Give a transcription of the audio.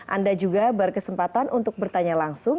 anda juga berkesempatan untuk bertanya langsung